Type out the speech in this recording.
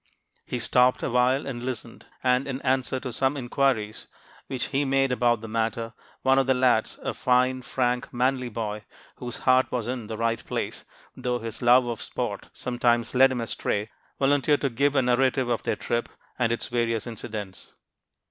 He stopped awhile and listened; and, in answer to some inquiries which he made about the matter, one of the lads, a fine, frank, manly boy, whose heart was in the right place, though his love of sport sometimes led him astray, volunteered to give a narrative of their trip and its various incidents.